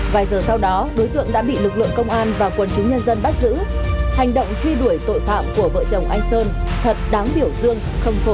vài giờ sau đó đối tượng đã bị lực lượng công an và quân chúng nhân dân bắt giữ hành động truy đuổi tội phạm của vợ chồng anh sơn thật đáng biểu dương khâm phục